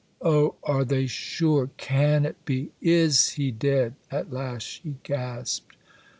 'Oh! are they sure?—can it be?—is he dead?' at last she gasped.